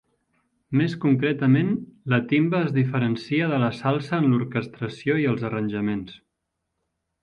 Més concretament, la timba es diferencia de la salsa en l'orquestració i els arranjaments.